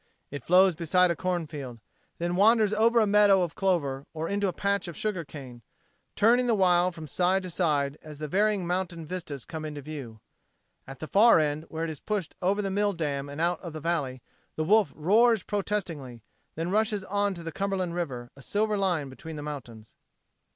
It flows beside a cornfield, then wanders over to a meadow of clover or into a patch of sugar cane, turning the while from side to side as the varying mountain vistas come into view. At the far end where it is pushed over the mill dam and out of the valley, the Wolf roars protestingly; then rushes on to the Cumberland River a silver line between the mountains.